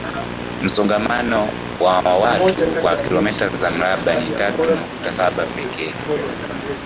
msongamano wa watu kwa kilometa za mraba ni tatu nukta saba pekee